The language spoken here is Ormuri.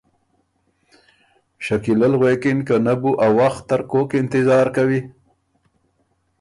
شکیلۀ ل غوېکِن که نۀ بو ا وخت ترکوک انتظار کوی